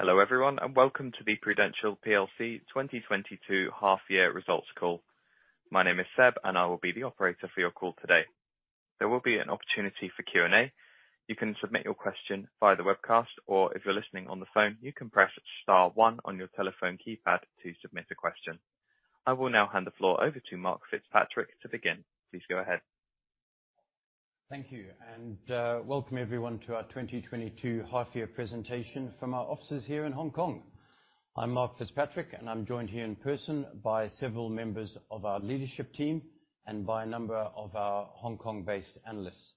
Hello, everyone, and welcome to the Prudential plc 2022 half year results call. My name is Seb, and I will be the operator for your call today. There will be an opportunity for Q&A. You can submit your question via the webcast, or if you're listening on the phone, you can press star one on your telephone keypad to submit a question. I will now hand the floor over to Mark FitzPatrick to begin. Please go ahead. Thank you. Welcome everyone to our 2022 half-year presentation from our offices here in Hong Kong. I'm Mark Fitzpatrick, and I'm joined here in person by several members of our leadership team and by a number of our Hong Kong-based analysts.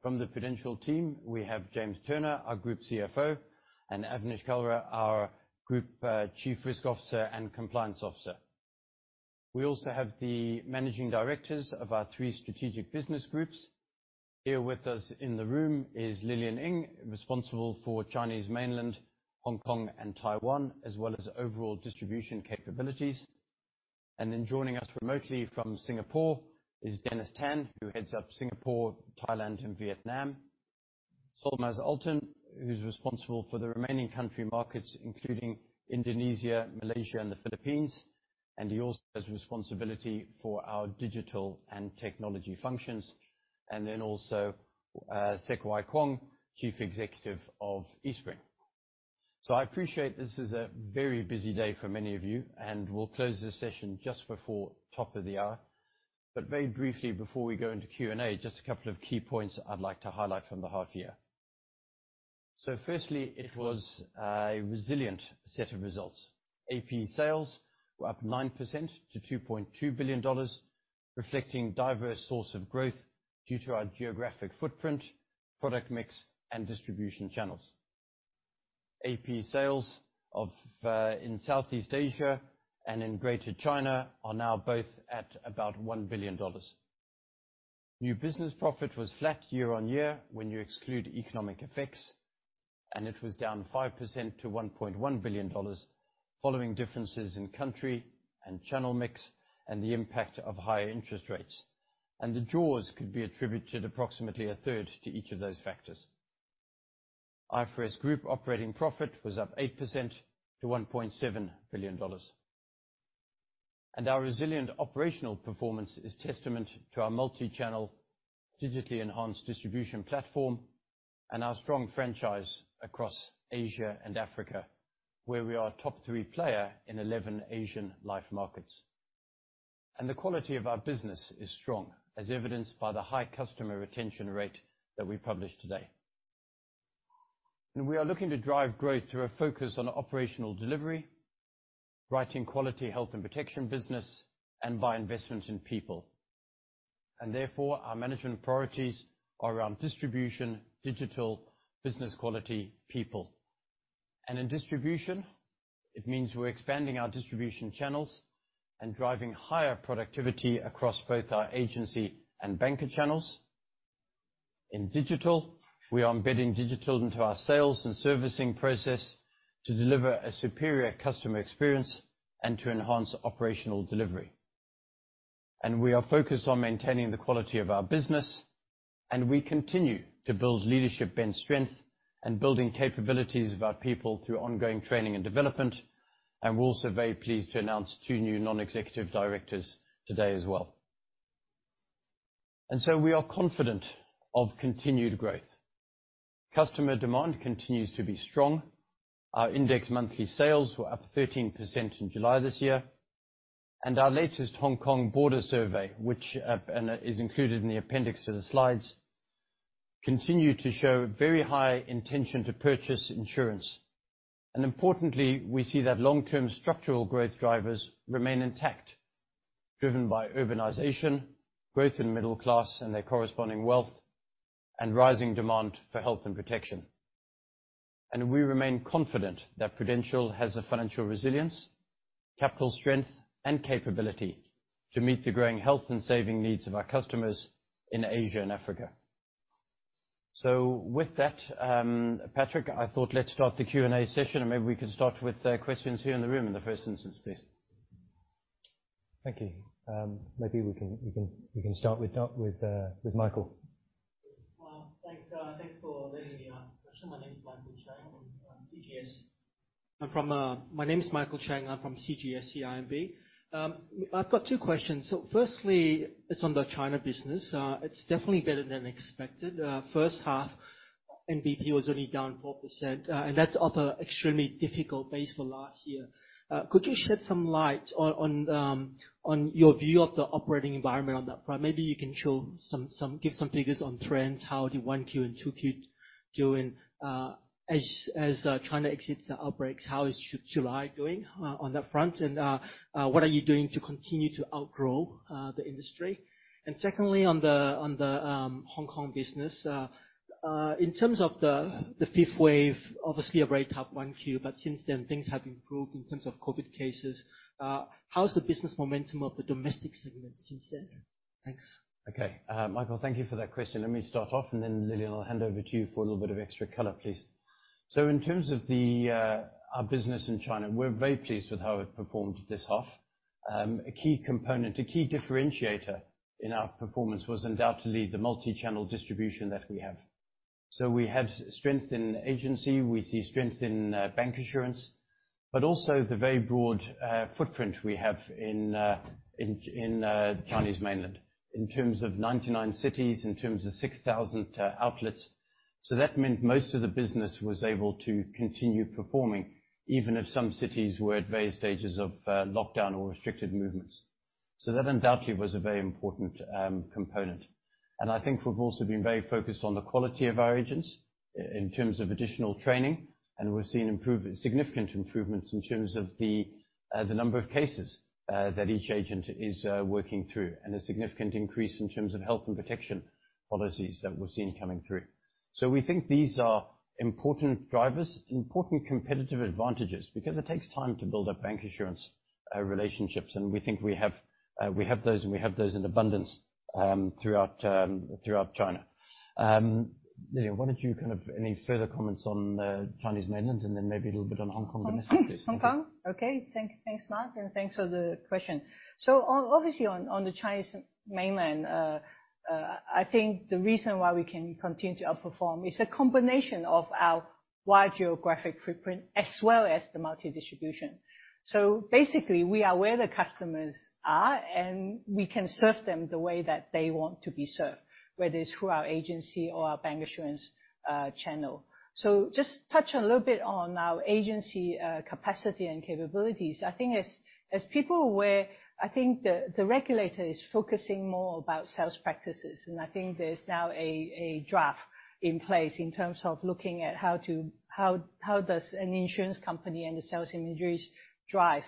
From the Prudential team, we have James Turner, our Group CFO, and Avnish Kalra, our Group Chief Risk and Compliance Officer. We also have the managing directors of our three strategic business groups. Here with us in the room is Lilian Ng, responsible for Chinese, Hong Kong and Taiwan, as well as overall distribution capabilities. Joining us remotely from Singapore is Dennis Tan, who heads up Singapore, Thailand and Vietnam. Solmaz Altin, who's responsible for the remaining country markets, including Indonesia, Malaysia and the Philippines, and he also has responsibility for our digital and technology functions. Wai-Kwong Seck, Chief Executive of Eastspring Investments. I appreciate this is a very busy day for many of you, and we'll close this session just before top of the hour. Very briefly, before we go into Q&A, just a couple of key points I'd like to highlight from the half year. Firstly, it was a resilient set of results. APE sales were up 9% to $2.2 billion, reflecting diverse source of growth due to our geographic footprint, product mix and distribution channels. APE sales in Southeast Asia and in Greater China are now both at about $1 billion. New business profit was flat year on year when you exclude economic effects, and it was down 5% to $1.1 billion, following differences in country and channel mix and the impact of higher interest rates. The jaws could be attributed approximately a third to each of those factors. IFRS group operating profit was up 8% to $1.7 billion. Our resilient operational performance is testament to our multi-channel, digitally enhanced distribution platform and our strong franchise across Asia and Africa, where we are top three player in 11 Asian life markets. The quality of our business is strong, as evidenced by the high customer retention rate that we published today. We are looking to drive growth through a focus on operational delivery, writing quality health and protection business, and by investment in people. Therefore, our management priorities are around distribution, digital, business quality, people. In distribution, it means we're expanding our distribution channels and driving higher productivity across both our agency and banker channels. In digital, we are embedding digital into our sales and servicing process to deliver a superior customer experience and to enhance operational delivery. We are focused on maintaining the quality of our business, and we continue to build leadership and strength and building capabilities of our people through ongoing training and development. We're also very pleased to announce two new non-executive directors today as well. We are confident of continued growth. Customer demand continues to be strong. Our index monthly sales were up 13% in July this year. Our latest Hong Kong border survey, which is included in the appendix to the slides, continues to show very high intention to purchase insurance. Importantly, we see that long-term structural growth drivers remain intact, driven by urbanization, growth in middle class and their corresponding wealth, and rising demand for health and protection. We remain confident that Prudential has the financial resilience, capital strength and capability to meet the growing health and saving needs of our customers in Asia and Africa. With that, Patrick, I thought let's start the Q&A session. Maybe we can start with the questions here in the room in the first instance, please. Thank you. Maybe we can start with Michael. Well, thanks for letting me ask. My name is Michael Chang from CGS-CIMB. I've got two questions. Firstly, it's on the China business. It's definitely better than expected. First half NBP was only down 4%, and that's off an extremely difficult base for last year. Could you shed some light on your view of the operating environment on that front? Maybe you can give some figures on trends, how the first quarter and second quarter are doing, as China exits the outbreaks. How is July doing on that front? And what are you doing to continue to outgrow the industry? Secondly, on the Hong Kong business, in terms of the fifth wave, obviously a very tough one quarter. Since then, things have improved in terms of COVID cases. How's the business momentum of the domestic segment since then? Thanks. Okay. Michael, thank you for that question. Let me start off, and then, Lilian, I'll hand over to you for a little bit of extra color, please. In terms of our business in China, we're very pleased with how it performed this half. A key component, a key differentiator in our performance was undoubtedly the multi-channel distribution that we have. We have strength in agency, we see strength in bank insurance, but also the very broad footprint we have in mainland China. In terms of 99 cities, in terms of 6,000 outlets. That meant most of the business was able to continue performing, even if some cities were at various stages of lockdown or restricted movements. That undoubtedly was a very important component. I think we've also been very focused on the quality of our agents in terms of additional training. We've seen significant improvements in terms of the number of cases that each agent is working through, and a significant increase in terms of health and protection policies that we're seeing coming through. We think these are important drivers, important competitive advantages, because it takes time to build up bancassurance relationships. We think we have those in abundance throughout China. Lilian, why don't you kind of any further comments on Chinese Mainland and then maybe a little bit on Hong Kong domestic, please? Hong Kong? Okay. Thanks, Mark, and thanks for the question. Obviously on the Chinese Mainland, I think the reason why we can continue to outperform is a combination of our wide geographic footprint as well as the multi-distribution. Basically, we are where the customers are, and we can serve them the way that they want to be served, whether it's through our agency or our bancassurance channel. Just touch a little bit on our agency capacity and capabilities. I think the regulator is focusing more about sales practices, and I think there's now a draft in place in terms of looking at how does an insurance company and the sales agencies drive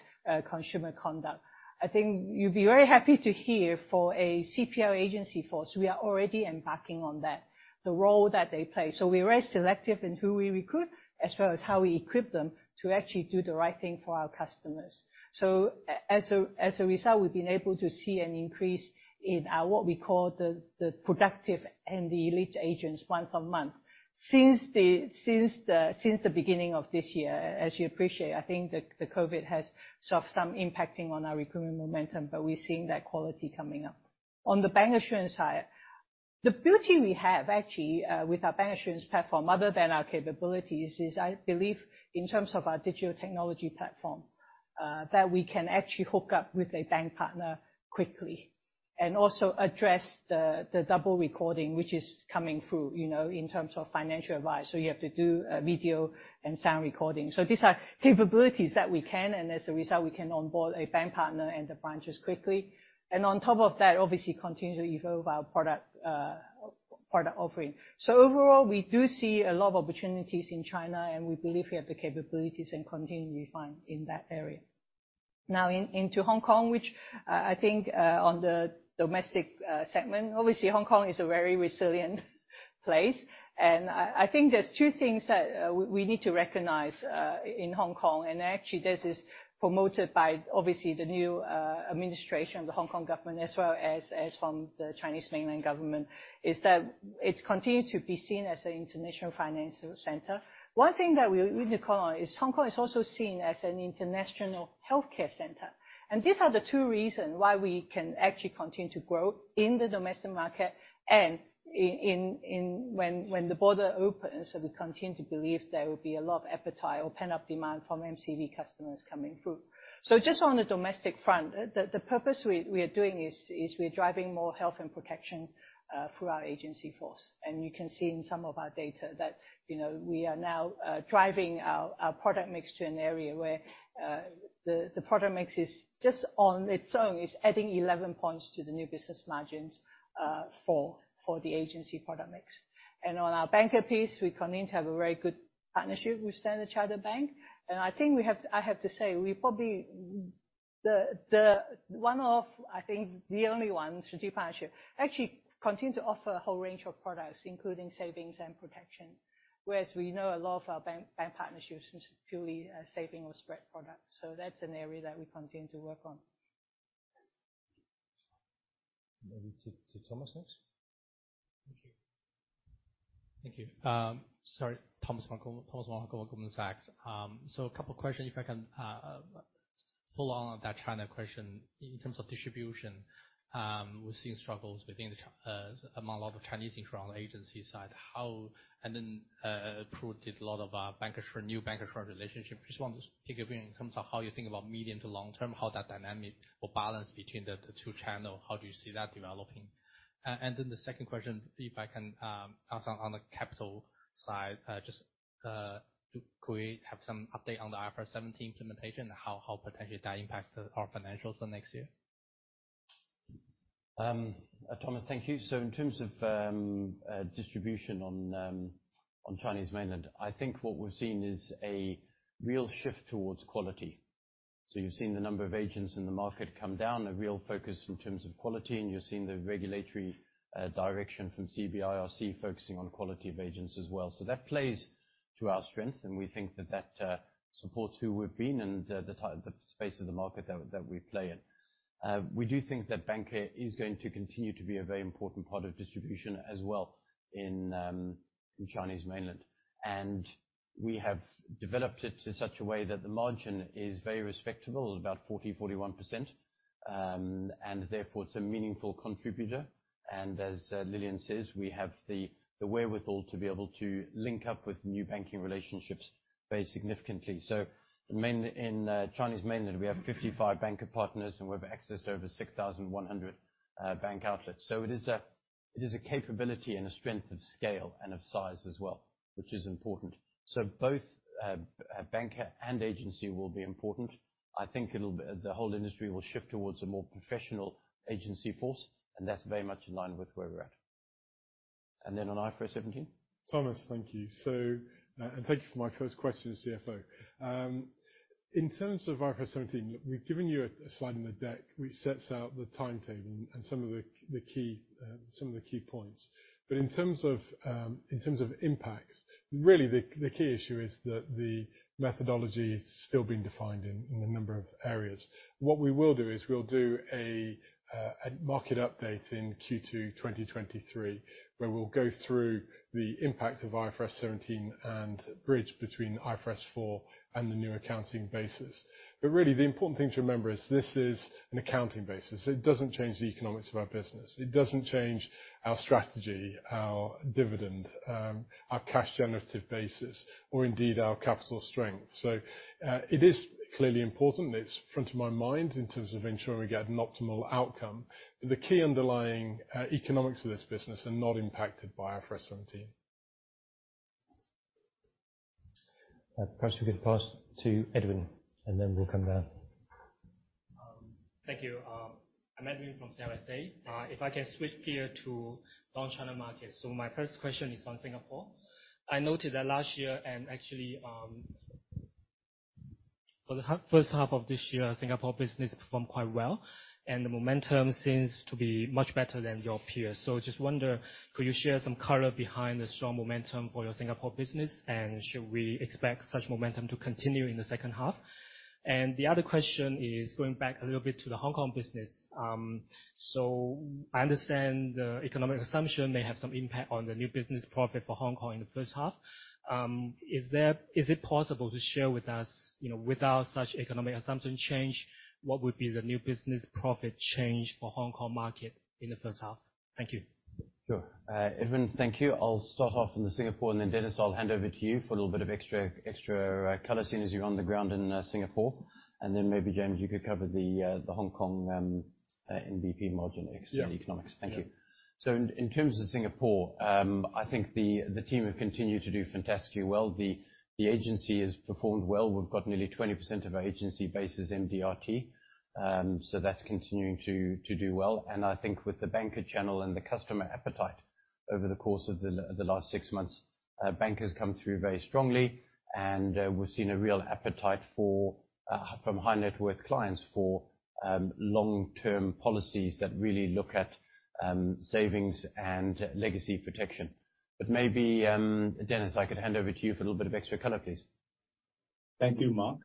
consumer conduct. I think you'll be very happy to hear, for our agency force, we are already embarking on that, the role that they play. We're very selective in who we recruit, as well as how we equip them to actually do the right thing for our customers. As a result, we've been able to see an increase in our, what we call the productive and the elite agents month-on-month. Since the beginning of this year, as you appreciate, I think the COVID has sort of some impacting on our recruitment momentum, but we're seeing that quality coming up. On the bank insurance side, the beauty we have actually with our bank insurance platform, other than our capabilities, is I believe in terms of our digital technology platform that we can actually hook up with a bank partner quickly. Also address the double recording which is coming through, you know, in terms of financial advice. You have to do video and sound recording. These are capabilities that we can, and as a result we can onboard a bank partner and the branches quickly. On top of that, obviously continually evolve our product offering. Overall, we do see a lot of opportunities in China, and we believe we have the capabilities and continue to refine in that area. Now into Hong Kong, which I think on the domestic segment, obviously Hong Kong is a very resilient place. I think there's two things that we need to recognize in Hong Kong. Actually, this is promoted by obviously the new administration of the Hong Kong government, as well as from the Chinese Mainland government, is that it continues to be seen as an international financial center. One thing that we need to call on is Hong Kong is also seen as an international healthcare center. These are the two reason why we can actually continue to grow in the domestic market and when the border opens, so we continue to believe there will be a lot of appetite or pent-up demand from MCV customers coming through. Just on the domestic front, the purpose we are doing is we're driving more health and protection through our agency force. You can see in some of our data that, you know, we are now driving our product mix to an area where the product mix is just on its own is adding 11 points to the new business margins for the agency product mix. On our bancassurance piece, we continue to have a very good partnership with Standard Chartered Bank. I think I have to say, we probably one of I think the only one strategic partnership actually continue to offer a whole range of products, including savings and protection. Whereas we know a lot of our bank partnerships is purely saving or spread products. That's an area that we continue to work on. Maybe to Thomas next. Thank you. Sorry. Thomas Wong from Goldman Sachs. A couple questions if I can, follow on that China question. In terms of distribution, we're seeing struggles within the—among a lot of Chinese internal agency side. Prud did a lot of new bank insurance relationship. Just want to pick your brain in terms of how you think about medium to long term, how that dynamic or balance between the two channels, how do you see that developing? The second question, if I can, also on the capital side, just, do we have some update on the IFRS 17 implementation? How potentially that impacts our financials for next year? Thomas, thank you. In terms of distribution on mainland China, I think what we've seen is a real shift towards quality. You've seen the number of agents in the market come down, a real focus in terms of quality, and you're seeing the regulatory direction from CBIRC focusing on quality of agents as well. That plays to our strength, and we think that supports who we've been and the space of the market that we play in. We do think that bancassurance is going to continue to be a very important part of distribution as well in Chinese Mainland. We have developed it in such a way that the margin is very respectable, about 40%-41%. Therefore, it's a meaningful contributor. As Lilian says, we have the wherewithal to be able to link up with new banking relationships very significantly. In Chinese Mainland, we have 55 banker partners, and we have access to over 6,100 bank outlets. It is a capability and a strength of scale and of size as well, which is important. Both banker and agency will be important. I think the whole industry will shift towards a more professional agency force, and that's very much in line with where we're at. Then on IFRS 17? Thomas, thank you. Thank you for my first question as CFO. In terms of IFRS 17, look, we've given you a slide in the deck which sets out the timetable and some of the key points. In terms of impacts, really the key issue is that the methodology is still being defined in a number of areas. What we will do is we'll do a market update in Q2 2023, where we'll go through the impact of IFRS 17 and bridge between IFRS 4 and the new accounting basis. Really the important thing to remember is this is an accounting basis. It doesn't change the economics of our business. It doesn't change our strategy, our dividend, our cash generative basis, or indeed, our capital strength. It is clearly important. It's front of my mind in terms of ensuring we get an optimal outcome. The key underlying economics of this business are not impacted by IFRS 17. Perhaps we could pass to Edwin, and then we'll come down. Thank you. I'm Edwin from CLSA. If I can switch gear to non-China markets. My first question is on Singapore. I noted that last year, and actually, for the first half of this year, Singapore business performed quite well, and the momentum seems to be much better than your peers. Just wonder, could you share some color behind the strong momentum for your Singapore business? And should we expect such momentum to continue in the second half? The other question is going back a little bit to the Hong Kong business. I understand the economic assumption may have some impact on the new business profit for Hong Kong in the first half. Is there? Is it possible to share with us, you know, without such economic assumption change, what would be the new business profit change for Hong Kong market in the first half? Thank you. Sure. Edwin, thank you. I'll start off in Singapore and then Dennis I'll hand over to you for a little bit of extra color, seeing as you're on the ground in Singapore. Then maybe, James, you could cover the Hong Kong NBP margin- Yeah. -economics. Thank you. In terms of Singapore, I think the team have continued to do fantastically well. The agency has performed well. We've got nearly 20% of our agency base is MDRT. That's continuing to do well. I think with the banker channel and the customer appetite over the course of the last six months, bank has come through very strongly. And we've seen a real appetite for from high net worth clients for long-term policies that really look at savings and legacy protection. Maybe Dennis, I could hand over to you for a little bit of extra color, please. Thank you, Mark.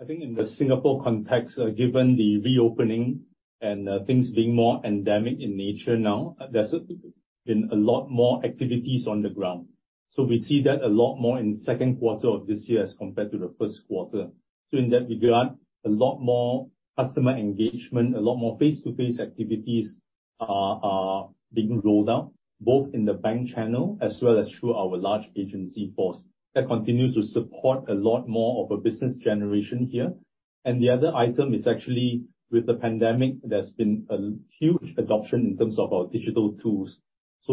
I think in the Singapore context, given the reopening and things being more endemic in nature now, there's been a lot more activities on the ground. We see that a lot more in second quarter of this year as compared to the first quarter. In that regard, a lot more customer engagement, a lot more face-to-face activities are being rolled out, both in the bank channel as well as through our large agency force. That continues to support a lot more of a business generation here. The other item is actually with the pandemic, there's been a huge adoption in terms of our digital tools.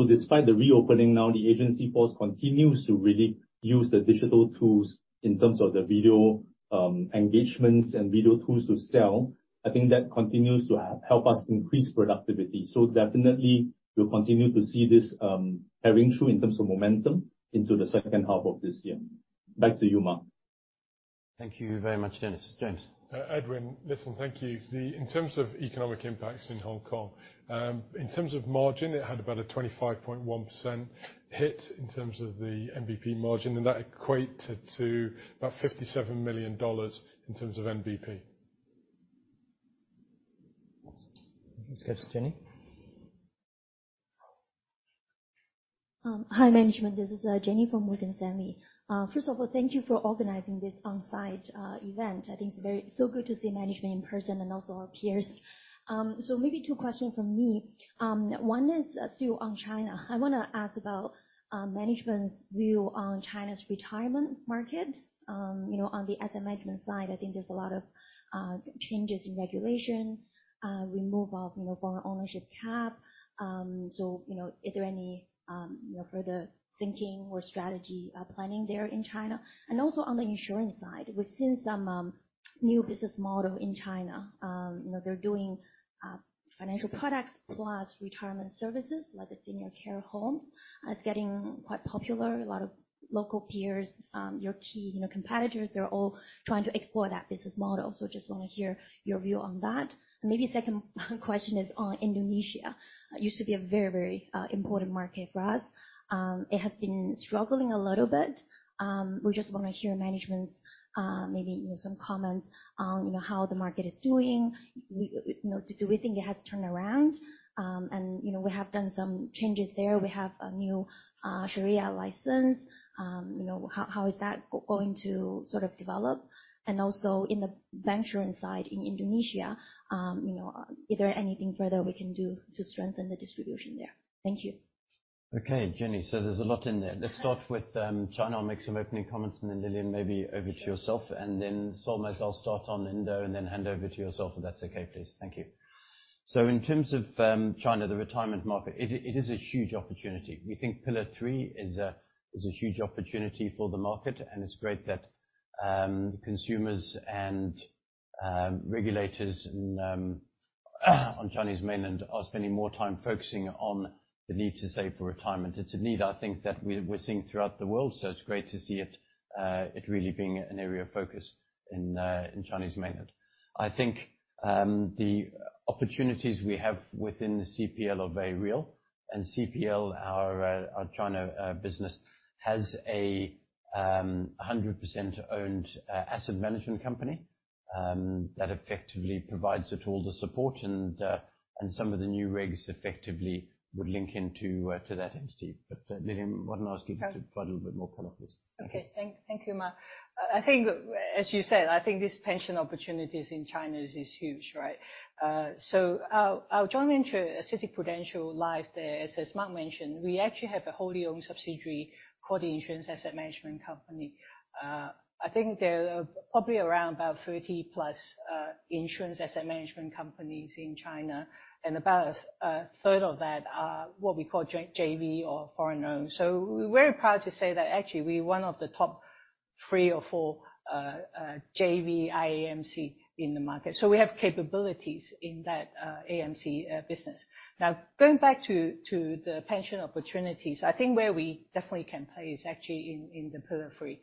Despite the reopening now, the agency force continues to really use the digital tools in terms of the video engagements and video tools to sell. I think that continues to help us increase productivity. Definitely we'll continue to see this, carrying through in terms of momentum into the second half of this year. Back to you, Mark. Thank you very much, Dennis. James. Edwin, listen, thank you. In terms of economic impacts in Hong Kong, in terms of margin, it had about a 25.1% hit in terms of the NBP margin, and that equated to about $57 million in terms of NBP. Let's go to Jenny. Hi, management. This is Jenny from Morgan Stanley. First of all, thank you for organizing this on-site event. I think it's very good to see management in person and also our peers. Maybe two questions from me. One is still on China. I wanna ask about management's view on China's retirement market. You know, on the asset management side, I think there's a lot of changes in regulation, removal of, you know, foreign ownership cap. You know, is there any, you know, further thinking or strategy planning there in China? Also on the insurance side, we've seen some new business model in China. You know, they're doing financial products plus retirement services, like the senior care homes. It's getting quite popular. A lot of local peers, your key, you know, competitors, they're all trying to explore that business model. Just wanna hear your view on that. Maybe second question is on Indonesia. Used to be a very important market for us. It has been struggling a little bit. We just wanna hear management's maybe, you know, some comments on, you know, how the market is doing. You know, do we think it has turned around? You know, we have done some changes there. We have a new Sharia license. You know, how is that going to sort of develop? Also in the bancassurance side in Indonesia, you know, is there anything further we can do to strengthen the distribution there? Thank you. Okay, Jenny. There's a lot in there. Let's start with China. I'll make some opening comments, and then Lilian, maybe over to yourself, and then Solmaz, I'll start on Indo and then hand over to yourself if that's okay, please. Thank you. In terms of China, the retirement market, it is a huge opportunity. We think Pillar three is a huge opportunity for the market, and it's great that consumers and regulators and on Chinese Mainland are spending more time focusing on the need to save for retirement. It's a need I think that we're seeing throughout the world. It's great to see it really being an area of focus in in Chinese Mainland. I think the opportunities we have within the CPL are very real. CPL, our China business, has a 100% owned asset management company that effectively provides it all the support and some of the new regs effectively would link into that entity. But Lilian, why don't I ask you to- Okay. Provide a little bit more color, please. Thank you, Mark. I think, as you said, I think these pension opportunities in China is huge, right? So I'll join into CITIC-Prudential Life there. As Mark mentioned, we actually have a wholly owned subsidiary called Insurance Asset Management Company. I think there are probably around about 30+ insurance asset management companies in China, and about a third of that are what we call joint JV or foreign-owned. So we're very proud to say that actually we're one of the top three or four JV IAMC in the market. So we have capabilities in that AMC business. Now, going back to the pension opportunities, I think where we definitely can play is actually in the Pillar three,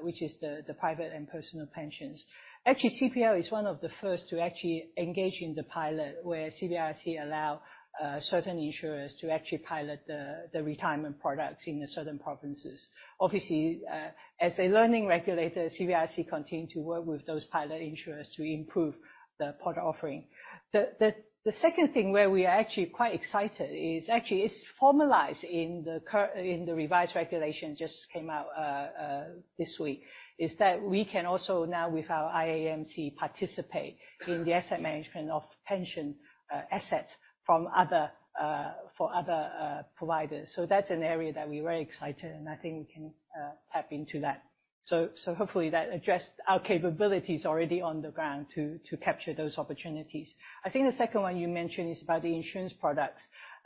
which is the private and personal pensions. Actually, CPL is one of the first to actually engage in the pilot where CBIRC allow certain insurers to actually pilot the retirement products in the southern provinces. Obviously, as a learning regulator, CBIRC continue to work with those pilot insurers to improve the product offering. The second thing where we are actually quite excited is actually it's formalized in the revised regulation, just came out this week, is that we can also now with our IAMC participate in the asset management of pension assets for other providers. So that's an area that we're very excited and I think we can tap into that. So hopefully that addressed our capabilities already on the ground to capture those opportunities. I think the second one you mentioned is about the insurance products.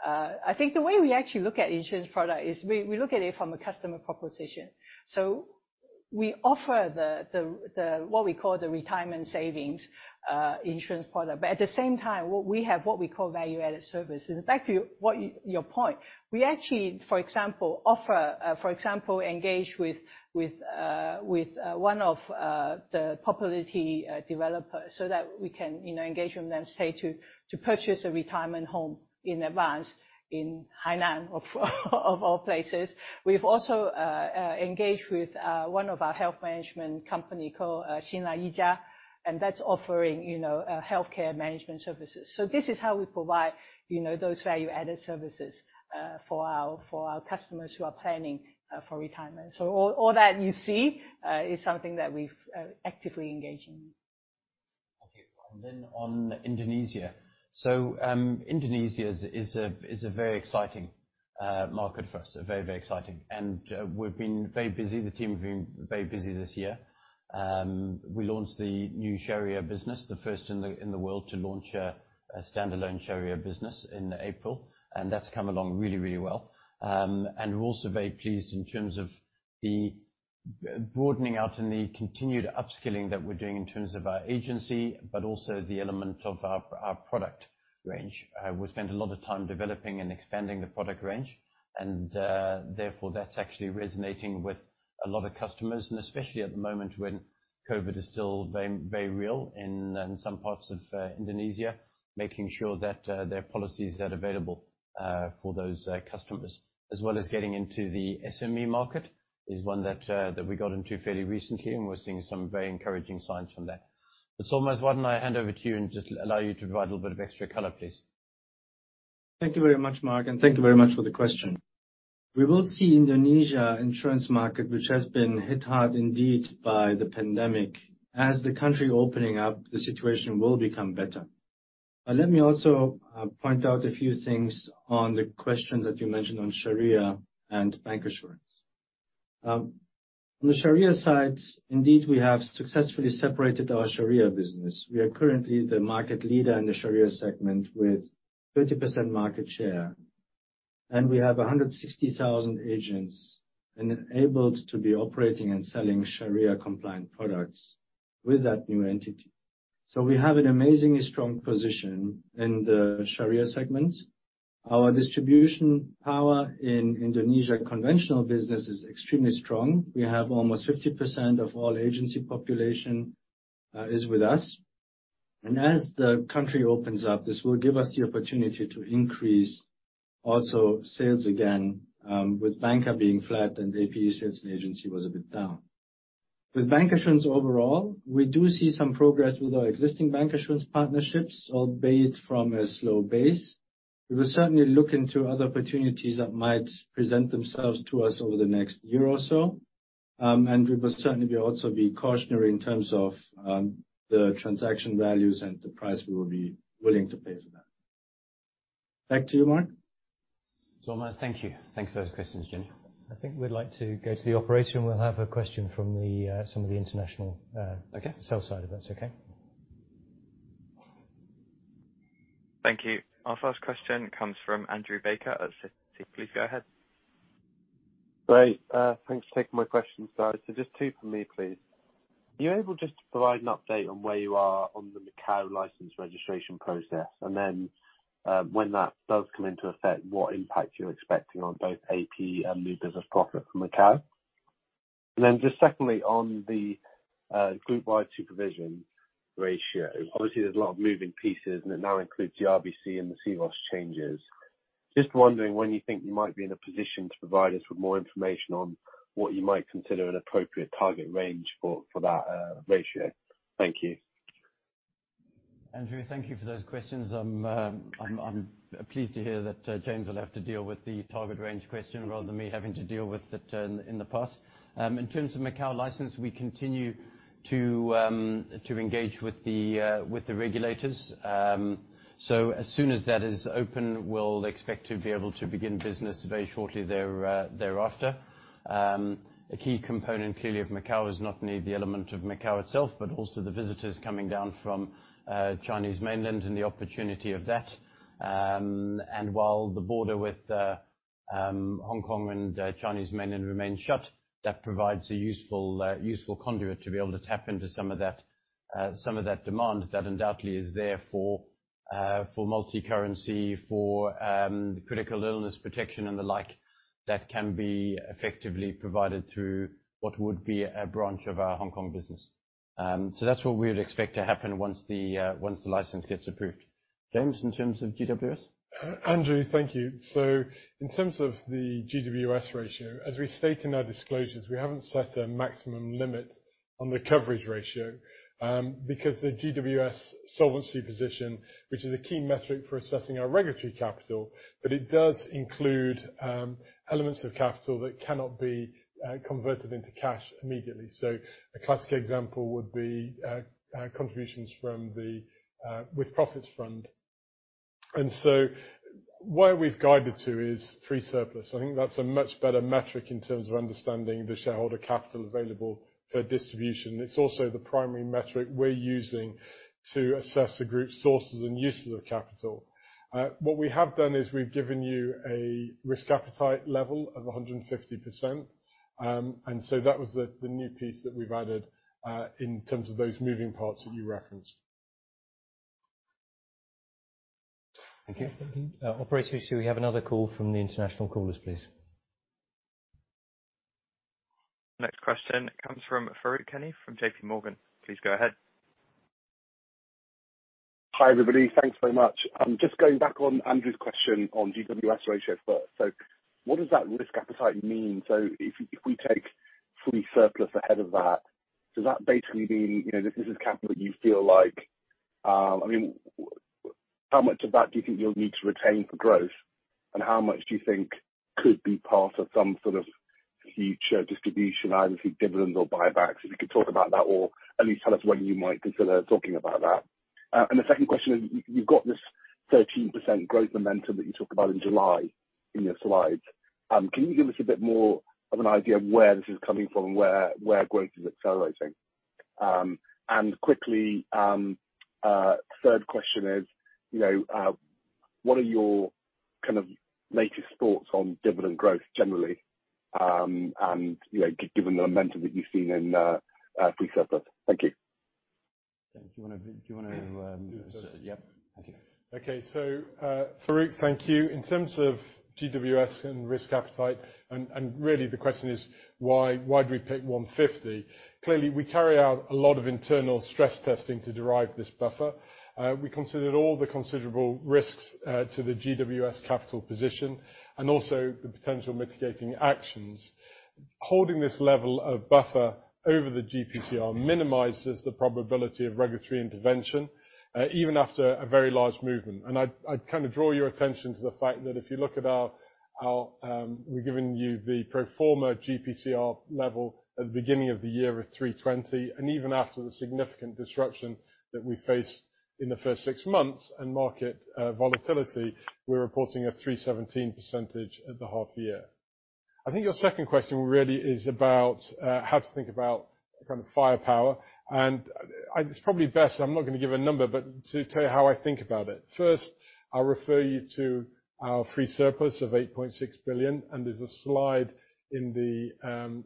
I think the way we actually look at insurance product is we look at it from a customer proposition. We offer what we call the retirement savings insurance product. At the same time, what we have what we call value-added services. Back to your point, we actually, for example, offer, for example, engagement with one of the property developers so that we can, you know, engage with them to purchase a retirement home in advance in Hainan of all places. We've also engaged with one of our health management company called [Xinlai Yijia], and that's offering, you know, healthcare management services. This is how we provide, you know, those value-added services for our customers who are planning for retirement. All that you see is something that we've actively engaged in. Then on Indonesia, Indonesia is a very exciting market for us. Very, very exciting. We've been very busy. The team have been very busy this year. We launched the new Sharia business, the first in the world to launch a standalone Sharia business in April, and that's come along really, really well. We're also very pleased in terms of the broadening out and the continued upskilling that we're doing in terms of our agency, but also the element of our product range. We spent a lot of time developing and expanding the product range, and therefore, that's actually resonating with a lot of customers, and especially at the moment when COVID is still very, very real in some parts of Indonesia, making sure that there are policies that are available for those customers, as well as getting into the SME market is one that we got into fairly recently, and we're seeing some very encouraging signs from that. Solmaz, why don't I hand over to you and just allow you to provide a little bit of extra color, please? Thank you very much, Mark, and thank you very much for the question. We will see Indonesian insurance market, which has been hit hard indeed by the pandemic. As the country opening up, the situation will become better. Let me also point out a few things on the questions that you mentioned on Sharia and bancassurance. On the Sharia side, indeed, we have successfully separated our Sharia business. We are currently the market leader in the Sharia segment with 30% market share, and we have 160,000 agents enabled to be operating and selling Sharia-compliant products with that new entity. We have an amazingly strong position in the Sharia segment. Our distribution power in Indonesian conventional business is extremely strong. We have almost 50% of all agency population is with us. As the country opens up, this will give us the opportunity to increase also sales again, with banca being flat and AP sales and agency was a bit down. With bancassurance overall, we do see some progress with our existing bancassurance partnerships, albeit from a slow base. We will certainly look into other opportunities that might present themselves to us over the next year or so. We will certainly also be cautionary in terms of the transaction values and the price we will be willing to pay for that. Back to you, Mark. Thomas, thank you. Thanks for those questions, Jenny. I think we'd like to go to the operator, and we'll have a question from some of the international sell side, if that's okay. Thank you. Our first question comes from Andrew Baker at Citi. Please go ahead. Great. Thanks for taking my question, guys. Just two for me, please. Are you able just to provide an update on where you are on the Macau license registration process and then, when that does come into effect, what impact you're expecting on both AP and new business profit from Macau? Just secondly, on the group-wide solvency ratio. Obviously, there's a lot of moving parts, and it now includes the RBC and the C-ROSS changes. Just wondering when you think you might be in a position to provide us with more information on what you might consider an appropriate target range for that ratio. Thank you. Andrew, thank you for those questions. I'm pleased to hear that James will have to deal with the target range question rather than me having to deal with it in the past. In terms of Macau license, we continue to engage with the regulators. As soon as that is open, we'll expect to be able to begin business very shortly thereafter. A key component, clearly, of Macau is not only the element of Macau itself, but also the visitors coming down from Chinese Mainland and the opportunity of that. While the border with Hong Kong and Chinese Mainland remain shut, that provides a useful conduit to be able to tap into some of that demand that undoubtedly is there for multicurrency, for critical illness protection and the like, that can be effectively provided through what would be a branch of our Hong Kong business. So that's what we would expect to happen once the license gets approved. James, in terms of GWS? Andrew, thank you. In terms of the GWS ratio, as we state in our disclosures, we haven't set a maximum limit on the coverage ratio, because the GWS solvency position, which is a key metric for assessing our regulatory capital, but it does include elements of capital that cannot be converted into cash immediately. A classic example would be contributions from the with profits fund. Where we've guided to is free surplus. I think that's a much better metric in terms of understanding the shareholder capital available for distribution. It's also the primary metric we're using to assess the group's sources and uses of capital. What we have done is we've given you a risk appetite level of 150%. That was the new piece that we've added in terms of those moving parts that you referenced. Thank you. Operator, should we have another call from the international callers, please? Next question comes from Farooq Hanif from JPMorgan. Please go ahead. Hi, everybody. Thanks very much. I'm just going back on Andrew's question on GWS ratio first. What does that risk appetite mean? If we take free surplus ahead of that, does that basically mean, you know, this is capital you feel like, I mean, how much of that do you think you'll need to retain for growth, and how much do you think could be part of some sort of future distribution, either through dividends or buybacks? If you could talk about that or at least tell us when you might consider talking about that. The second question is, you've got this 13% growth momentum that you talked about in July in your slides. Can you give us a bit more of an idea of where this is coming from, where growth is accelerating? Quickly, third question is, you know, what are your kind of latest thoughts on dividend growth generally, and, you know, given the momentum that you've seen in free surplus? Thank you. Do you wanna? Yeah. Yep. Thank you. Okay. Farooq, thank you. In terms of GWS and risk appetite, and really the question is why do we pick 150? Clearly, we carry out a lot of internal stress testing to derive this buffer. We considered all the considerable risks to the GWS capital position and also the potential mitigating actions. Holding this level of buffer over the GPCR minimizes the probability of regulatory intervention even after a very large movement. I'd kind of draw your attention to the fact that We've given you the pro forma GPCR level at the beginning of the year of 320, and even after the significant disruption that we faced in the first six months and market volatility, we're reporting a 317% at the half year. I think your second question really is about how to think about kind of firepower, it's probably best, I'm not going to give a number, but to tell you how I think about it. First, I'll refer you to our free surplus of $8.6 billion, and there's a slide in the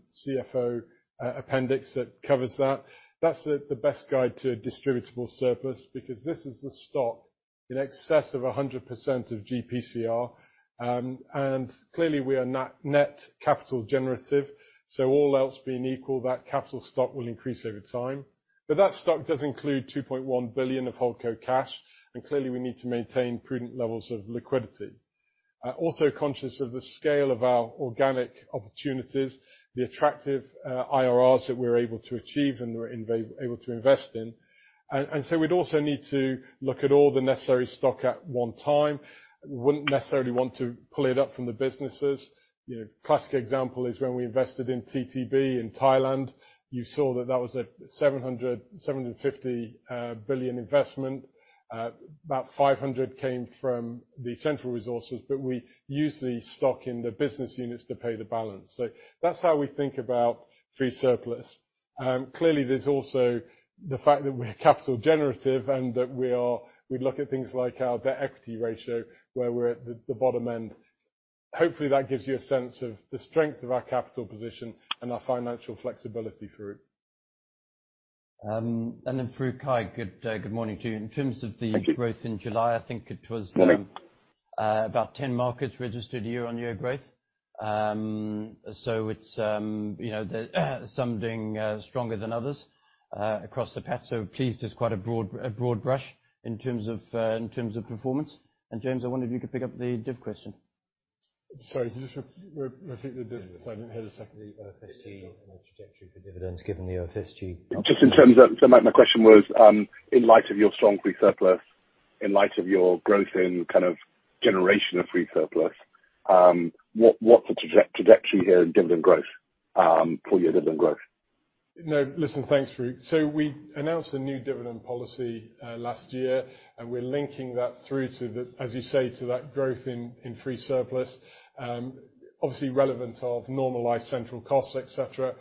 CFO appendix that covers that. That's the best guide to distributable surplus because this is the stock in excess of 100% of GPCR. Clearly, we are not net capital generative, so all else being equal, that capital stock will increase over time. That stock does include $2.1 billion of Holdco cash, and clearly, we need to maintain prudent levels of liquidity. Also conscious of the scale of our organic opportunities, the attractive IRRs that we're able to achieve and we're able to invest in. We'd also need to look at all the necessary stock at one time. Wouldn't necessarily want to pull it up from the businesses. You know, classic example is when we invested in TTB in Thailand, you saw that was a $750 billion investment. About $500 billion came from the central resources, but we used the stock in the business units to pay the balance. That's how we think about free surplus. Clearly, there's also the fact that we're capital generative and that we look at things like our debt equity ratio, where we're at the bottom end. Hopefully, that gives you a sense of the strength of our capital position and our financial flexibility through. Farooq Hanif, good morning to you. Thank you. In terms of the growth in July, I think it was. Morning. about 10 markets registered year-on-year growth. It's, you know, some doing stronger than others across the board. I'm pleased it's quite a broad brush in terms of performance. James, I wonder if you could pick up the div question. Sorry, could you just repeat the dividend? I didn't hear the second. The OFSG and the trajectory for dividends given the OFSG. My question was, in light of your strong free surplus, in light of your growth in kind of generation of free surplus, what's the trajectory here in dividend growth, full year dividend growth? No, listen. Thanks, Farooq. We announced a new dividend policy last year, and we're linking that through to the, as you say, to that growth in free surplus, obviously reflective of normalized central costs, et cetera.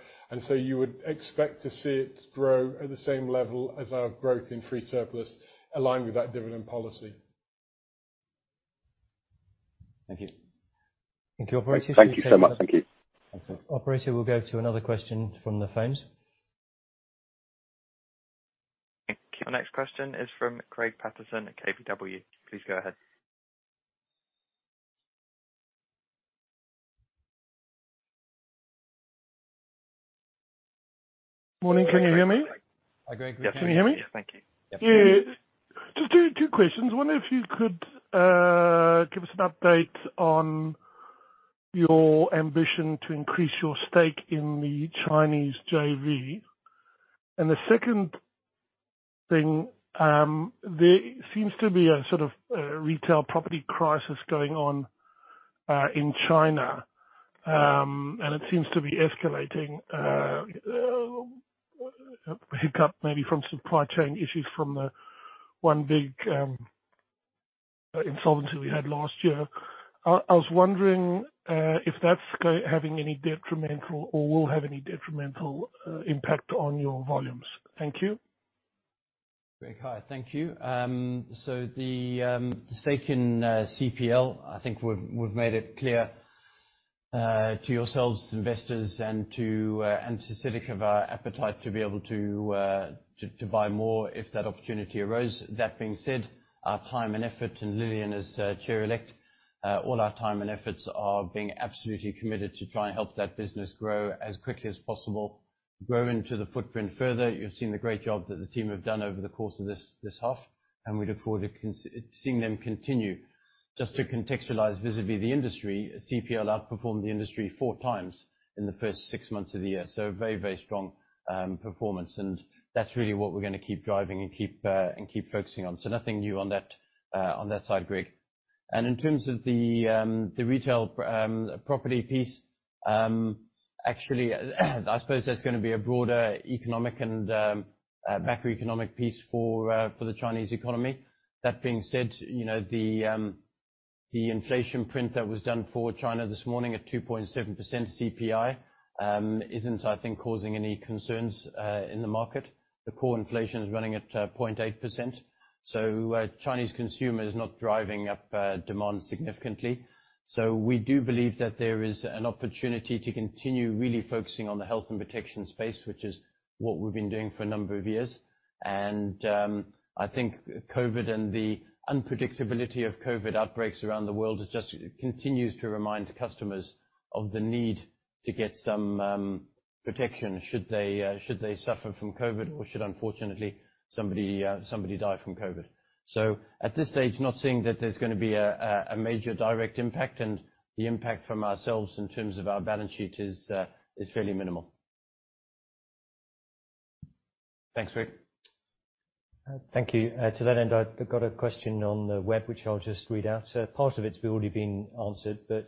You would expect to see it grow at the same level as our growth in free surplus aligned with that dividend policy. Thank you. Thank you. Operator. Thank you so much. Thank you. Operator, we'll go to another question from the phones. Thank you. Our next question is from Greig Paterson at KBW. Please go ahead. Morning, can you hear me? Hi, Greig. We can. Yes, can you hear me? Thank you. Yes. Just two questions. Wonder if you could give us an update on your ambition to increase your stake in the Chinese JV. The second thing, there seems to be a sort of retail property crisis going on in China, and it seems to be escalating, maybe picking up from supply chain issues from the one big insolvency we had last year. I was wondering if that's having any detrimental or will have any detrimental impact on your volumes. Thank you. Greig, hi. Thank you. So the stake in CPL, I think we've made it clear to yourselves as investors and to specify our appetite to be able to buy more if that opportunity arose. That being said, our time and effort, and Lilian as chair elect, all our time and efforts are being absolutely committed to try and help that business grow as quickly as possible, grow into the footprint further. You've seen the great job that the team have done over the course of this half, and we look forward to seeing them continue. Just to contextualize vis-à-vis the industry, CPL outperformed the industry four times in the first six months of the year, so very, very strong performance. That's really what we're gonna keep driving and keep focusing on. Nothing new on that, on that side, Greig. In terms of the retail property piece, actually, I suppose that's gonna be a broader economic and macroeconomic piece for the Chinese economy. That being said, you know, the inflation print that was done for China this morning at 2.7% CPI isn't, I think, causing any concerns in the market. The core inflation is running at 0.8%. Chinese consumer is not driving up demand significantly. We do believe that there is an opportunity to continue really focusing on the health and protection space, which is what we've been doing for a number of years. I think COVID and the unpredictability of COVID outbreaks around the world has just continues to remind customers of the need to get some protection should they suffer from COVID or should, unfortunately, somebody die from COVID. At this stage, not seeing that there's gonna be a major direct impact and the impact from ourselves in terms of our balance sheet is fairly minimal. Thanks, Greig. Thank you. To that end, I've got a question on the web which I'll just read out. Part of it's already been answered, but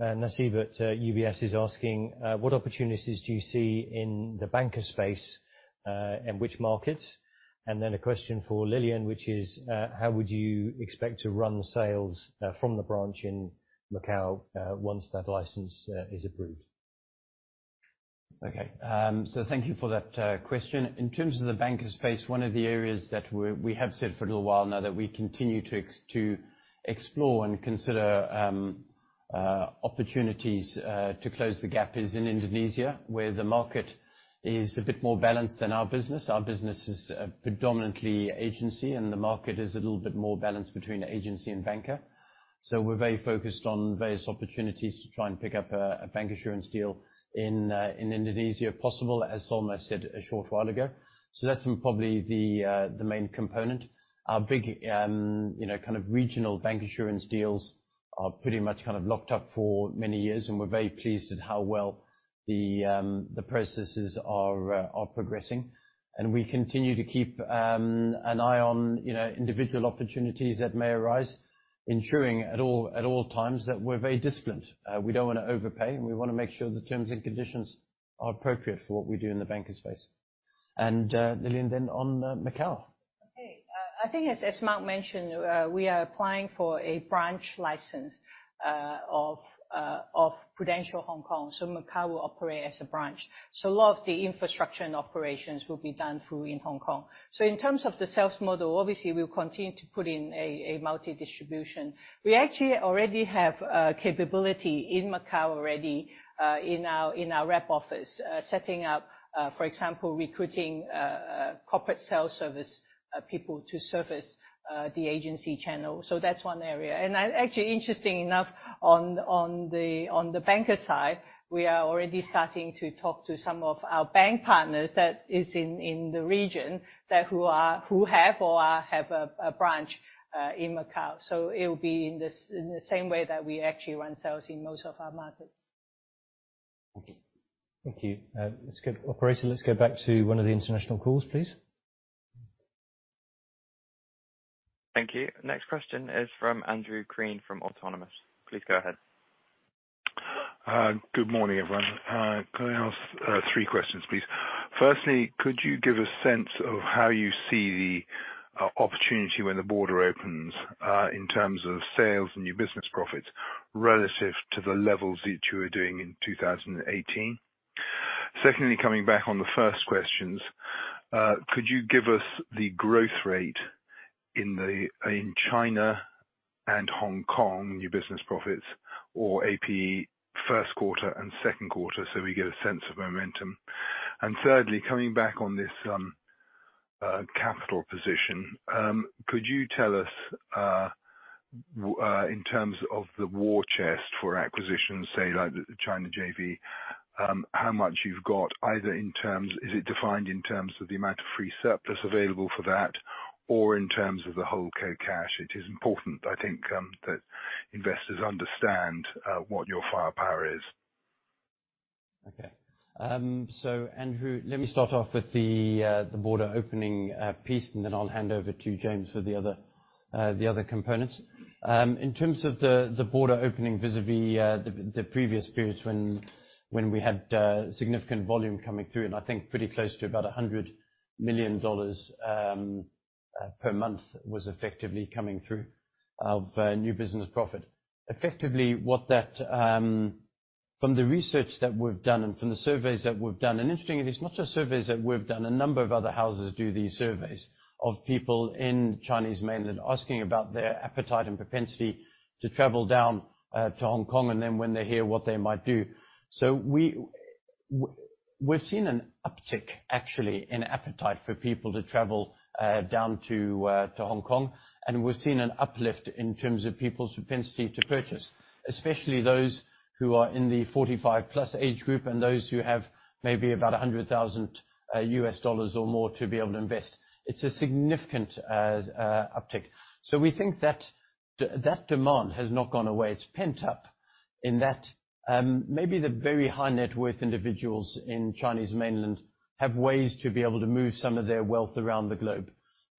Nasib at UBS is asking, "What opportunities do you see in the bancassurance space, and which markets?" A question for Lilian, which is, "How would you expect to run sales from the branch in Macau once that license is approved? Okay. Thank you for that question. In terms of the bancassurance space, one of the areas that we have said for a little while now that we continue to explore and consider opportunities to close the gap is in Indonesia, where the market is a bit more balanced than our business. Our business is predominantly agency, and the market is a little bit more balanced between agency and bancassurance. We're very focused on various opportunities to try and pick up a bancassurance deal in Indonesia, if possible, as Solmaz said a short while ago. That's probably the main component. Our big, you know, kind of regional bank insurance deals are pretty much kind of locked up for many years, and we're very pleased at how well the processes are progressing. We continue to keep an eye on, you know, individual opportunities that may arise, ensuring at all times that we're very disciplined. We don't wanna overpay, and we wanna make sure the terms and conditions are appropriate for what we do in the bancassurance space. Lilian, then on Macau. Okay. I think as Mark mentioned, we are applying for a branch license of Prudential Hong Kong, so Macau will operate as a branch. A lot of the infrastructure and operations will be done through in Hong Kong. In terms of the sales model, obviously we'll continue to put in a multi-distribution. We actually already have capability in Macau already in our rep office setting up, for example, recruiting corporate sales service people to service the agency channel. That's one area. Actually, interesting enough on the banker side, we are already starting to talk to some of our bank partners that are in the region that have a branch in Macau. It will be in the same way that we actually run sales in most of our markets. Thank you. Operator, let's go back to one of the international calls, please. Thank you. Next question is from Andrew Crean from Autonomous. Please go ahead. Good morning, everyone. Can I ask three questions, please? Firstly, could you give a sense of how you see the opportunity when the border opens in terms of sales and new business profits relative to the levels that you were doing in 2018? Secondly, coming back on the first questions, could you give us the growth rate in China and Hong Kong, new business profits or APE first quarter and second quarter, so we get a sense of momentum. Thirdly, coming back on this capital position, could you tell us in terms of the war chest for acquisitions, say like China JV, how much you've got, either in terms of the amount of free surplus available for that, or in terms of the Holdco cash? It is important, I think, that investors understand what your firepower is. Okay. Andrew, let me start off with the border opening piece, and then I'll hand over to James for the other components. In terms of the border opening vis-a-vis the previous periods when we had significant volume coming through, and I think pretty close to about $100 million per month was effectively coming through of new business profit. From the research that we've done and from the surveys that we've done, and interestingly, it's not just surveys that we've done, a number of other houses do these surveys of people in Chinese Mainland asking about their appetite and propensity to travel down to Hong Kong, and then when they hear what they might do. We're seeing an uptick, actually, in appetite for people to travel down to Hong Kong. We've seen an uplift in terms of people's propensity to purchase, especially those who are in the 45+ age group and those who have maybe about $100,000 or more to be able to invest. It's a significant uptick. We think that demand has not gone away. It's pent up in that, maybe the very high net worth individuals in Chinese Mainland have ways to be able to move some of their wealth around the globe.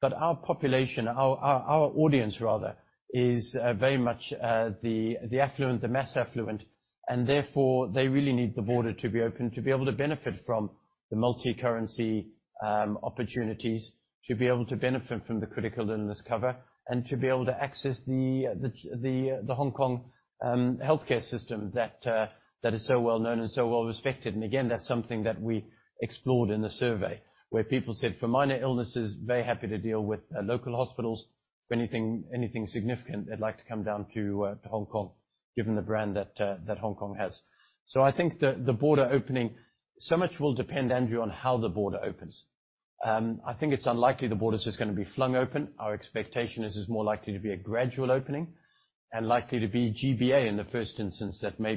Our population, our audience rather, is very much the affluent, the mass affluent, and therefore, they really need the border to be open to be able to benefit from the multi-currency opportunities, to be able to benefit from the critical illness cover, and to be able to access the Hong Kong healthcare system that is so well known and so well respected. Again, that's something that we explored in the survey. Where people said, for minor illnesses, very happy to deal with local hospitals. For anything significant, they'd like to come down to Hong Kong, given the brand that Hong Kong has. I think the border opening, so much will depend, Andrew, on how the border opens. I think it's unlikely the border is just gonna be flung open. Our expectation is it's more likely to be a gradual opening and likely to be GBA in the first instance that may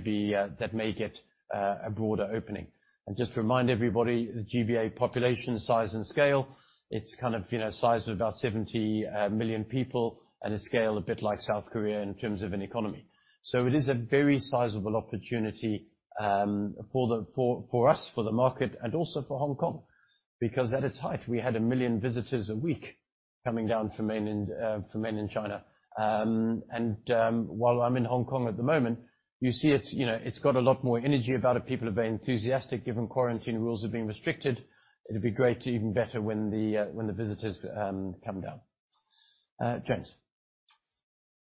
get a broader opening. Just to remind everybody, the GBA population size and scale, it's kind of, you know, size of about 70 million people and a scale a bit like South Korea in terms of an economy. So it is a very sizable opportunity for us, for the market and also for Hong Kong. Because at its height, we had 1 million visitors a week coming down from Mainland China. While I'm in Hong Kong at the moment, you see it's, you know, it's got a lot more energy about it. People are very enthusiastic, given quarantine rules are being restricted. It'll be great to even better when the visitors come down. James.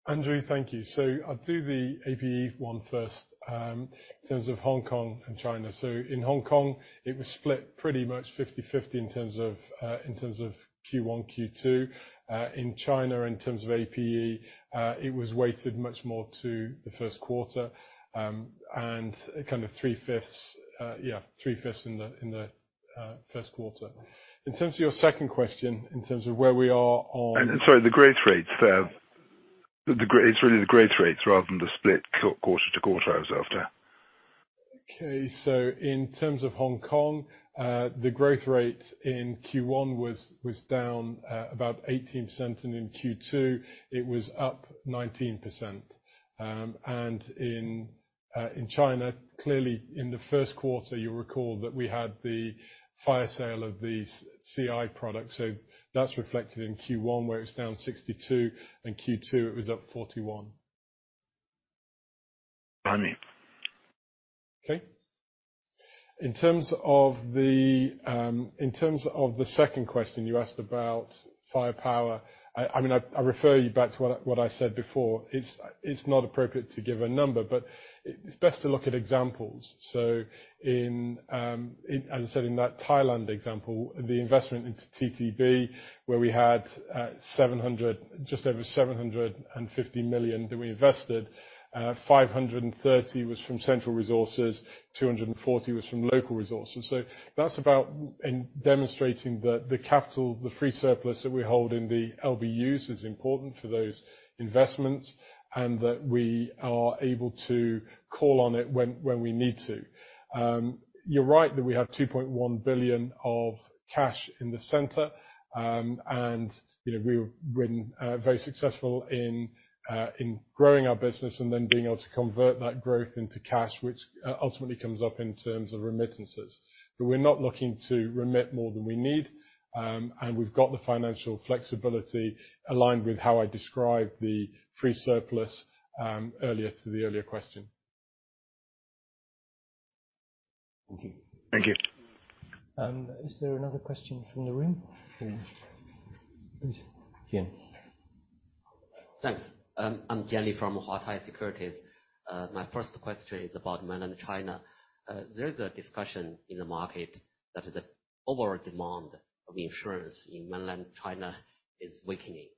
Andrew, thank you. I'll do the APE one first, in terms of Hong Kong and China. In Hong Kong, it was split pretty much 50/50 in terms of Q1, Q2. In China, in terms of APE, it was weighted much more to the first quarter, and 3/5 in the first quarter. In terms of your second question, in terms of where we are on- Sorry, the growth rates. It's really the growth rates rather than the split quarter to quarter I was after. Okay. In terms of Hong Kong, the growth rate in Q1 was down about 18%, and in Q2, it was up 19%. In China, clearly in the first quarter, you'll recall that we had the fire sale of the CI products. That's reflected in Q1, where it's down 62%, in Q2, it was up 41%. Okay. In terms of the second question you asked about firepower. I mean, I refer you back to what I said before. It's not appropriate to give a number, but it's best to look at examples. In that Thailand example, the investment into TTB, where we had just over $750 million that we invested. $530 million was from central resources, $240 million was from local resources. That's about in demonstrating that the capital, the free surplus that we hold in the LBUs is important for those investments, and that we are able to call on it when we need to. You're right that we have $2.1 billion of cash in the center. You know, we've been very successful in growing our business and then being able to convert that growth into cash, which ultimately comes up in terms of remittances. We're not looking to remit more than we need, and we've got the financial flexibility aligned with how I described the free surplus earlier to the earlier question. Thank you. Is there another question from the room? Please. Yeah. Thanks. I'm Jian Li from Huatai Securities. My first question is about Mainland China. There's a discussion in the market that the overall demand of insurance in Mainland China is weakening,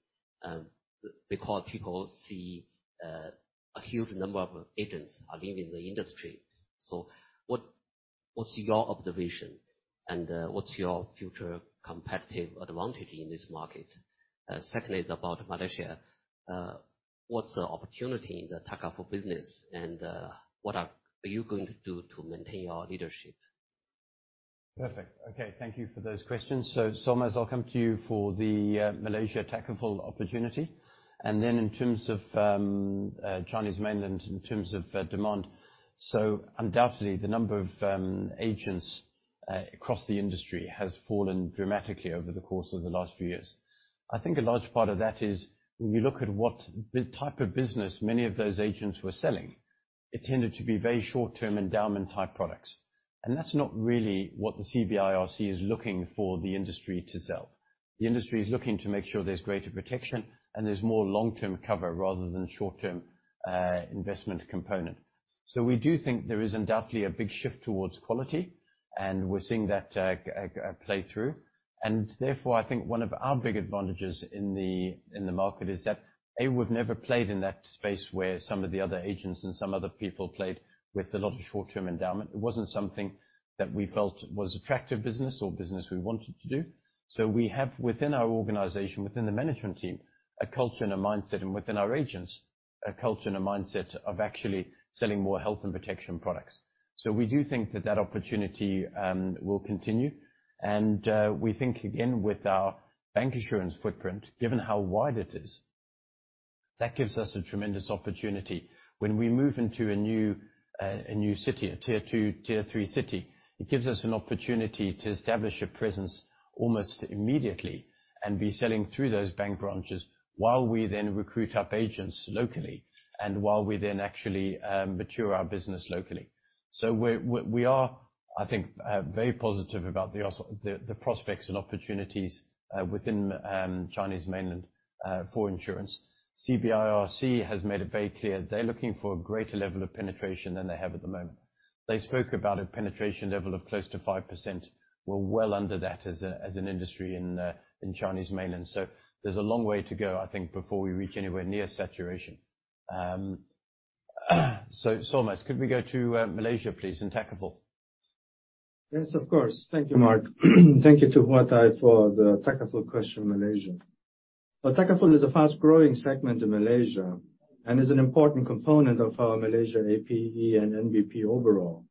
because people see a huge number of agents are leaving the industry. What's your observation, and what's your future competitive advantage in this market? Secondly is about Malaysia. What's the opportunity in the Takaful business, and what are you going to do to maintain your leadership? Perfect. Okay, thank you for those questions. Solmaz, I'll come to you for the Malaysia Takaful opportunity. In terms of Chinese Mainland, in terms of demand. Undoubtedly, the number of agents across the industry has fallen dramatically over the course of the last few years. I think a large part of that is when you look at what type of business many of those agents were selling, it tended to be very short term endowment type products. That's not really what the CBIRC is looking for the industry to sell. The industry is looking to make sure there's greater protection, and there's more long-term cover rather than short-term investment component. We do think there is undoubtedly a big shift towards quality, and we're seeing that play through. Therefore, I think one of our big advantages in the, in the market is that, A, we've never played in that space where some of the other agents and some other people played with a lot of short-term endowment. It wasn't something that we felt was attractive business or business we wanted to do. We have within our organization, within the management team, a culture and a mindset, and within our agents, a culture and a mindset of actually selling more health and protection products. We do think that that opportunity will continue. We think, again, with our bancassurance footprint, given how wide it is, that gives us a tremendous opportunity. When we move into a new city, a Tier 2, Tier 3 city, it gives us an opportunity to establish a presence almost immediately and be selling through those bank branches while we then recruit our agents locally and while we then actually mature our business locally. We are, I think, very positive about the prospects and opportunities within Chinese Mainland for insurance. CBIRC has made it very clear they're looking for a greater level of penetration than they have at the moment. They spoke about a penetration level of close to 5%. We're well under that as an industry in Chinese Mainland. There's a long way to go, I think, before we reach anywhere near saturation. Solmaz, could we go to Malaysia, please, and Takaful? Yes, of course. Thank you, Mark. Thank you to Huatai for the Takaful question on Malaysia. Well, Takaful is a fast-growing segment in Malaysia and is an important component of our Malaysia APE and MVP overall.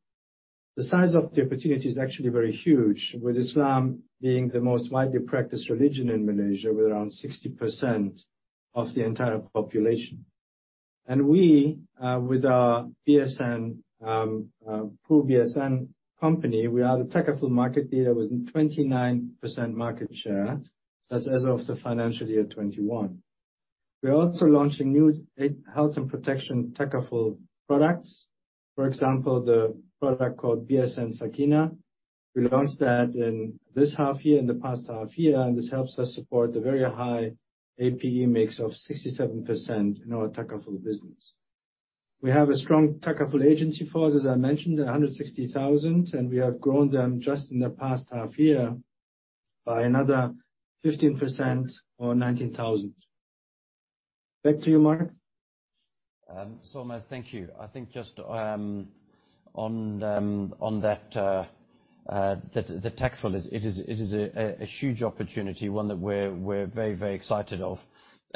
The size of the opportunity is actually very huge, with Islam being the most widely practiced religion in Malaysia, with around 60% of the entire population. We with our BSN through BSN Company, we are the takaful market leader with 29% market share as of the financial year 2021. We are also launching new health and protection Takaful products. For example, the product called BSN Sakinah. We launched that in this half year, in the past half year, and this helps us support the very high APE mix of 67% in our Takaful business. We have a strong Takaful agency force, as I mentioned, at 160,000, and we have grown them just in the past half year by another 15% or 19,000. Back to you, Mark. Solmaz, thank you. I think just on that, the Takaful is, it is a huge opportunity, one that we're very excited of.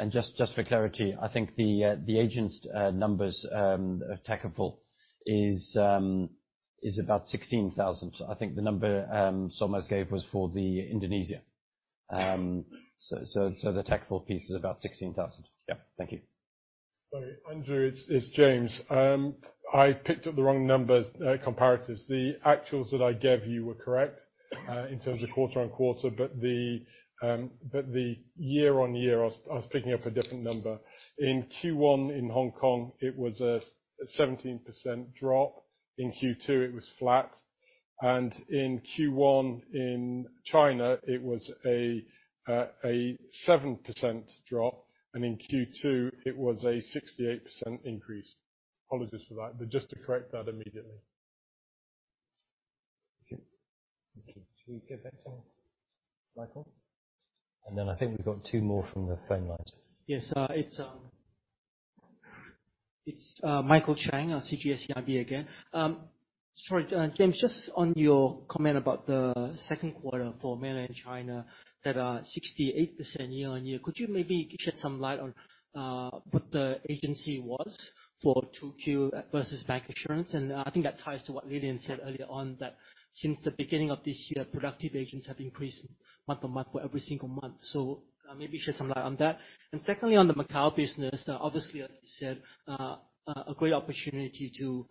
Just for clarity, I think the agents' numbers, Takaful is about 16,000. I think the number Solmaz gave was for Indonesia. The Takaful piece is about 16,000. Yeah. Thank you. Sorry, Andrew. It's James. I picked up the wrong numbers, comparatives. The actuals that I gave you were correct in terms of quarter-on-quarter, but the year-on-year I was picking up a different number. In Q1 in Hong Kong, it was a 17% drop. In Q2 it was flat. In Q1 in China it was a 7% drop, and in Q2 it was a 68% increase. Apologies for that, but just to correct that immediately. Okay. Thank you. Should we go back to Michael? I think we've got two more from the phone lines. Yes. It's Michael Chang at CGS-CIMB again. Sorry, James, just on your comment about the second quarter for Mainland China that 68% year-on-year, could you maybe shed some light on what the agency was for 2Q versus bank insurance? I think that ties to what Lilian said earlier on that since the beginning of this year, productive agents have increased month-to-month for every single month. Maybe shed some light on that. Secondly, on the Macau business, obviously as you said, a great opportunity to